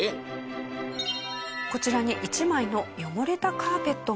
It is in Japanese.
こちらに１枚の汚れたカーペットが。